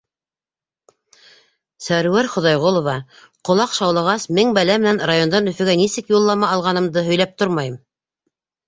Сәрүәр ХОҘАЙҒОЛОВА: Ҡолаҡ шаулағас, мең бәлә менән райондан Өфөгә нисек юллама алғанымды һөйләп тормайым.